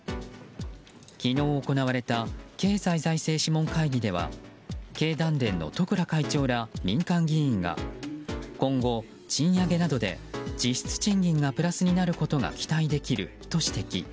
昨日行われた経済財政諮問会議では経団連の十倉会長ら民間議員が今後賃上げなどで実質賃金がプラスになることが期待できると指摘。